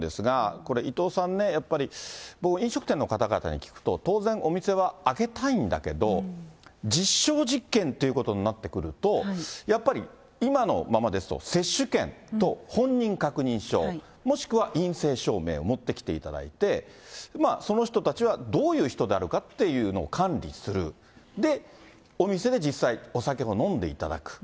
これ、伊藤さんね、やっぱり僕、飲食店の方に聞くと、当然、お店は開けたいんだけど、実証実験ということになってくると、やっぱり今のままですと、接種券と本人確認証、もしくは陰性証明を持ってきていただいて、その人たちはどういう人たちかっていうのを管理する、で、お店で実際お酒を飲んでいただく。